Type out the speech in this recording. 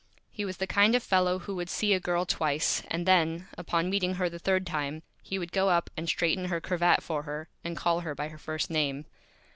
He was the Kind of Fellow who would see a Girl twice, and then, upon meeting her the Third Time, he would go up and straighten her Cravat for her, and call her by her First Name.